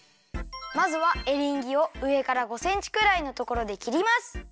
まずはエリンギをうえから５センチくらいのところできります。